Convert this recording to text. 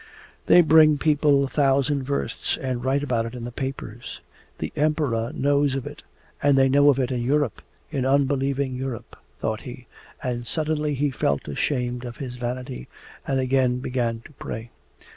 'They bring people a thousand versts and write about it in the papers. The Emperor knows of it, and they know of it in Europe, in unbelieving Europe' thought he. And suddenly he felt ashamed of his vanity and again began to pray.